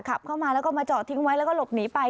ขับเข้ามาแล้วก็มาจอดทิ้งไว้แล้วก็หลบหนีไป